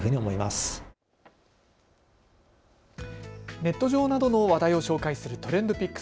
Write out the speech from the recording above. ネット上などでの話題を紹介するＴｒｅｎｄＰｉｃｋｓ。